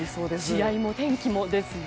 試合も天気もですね。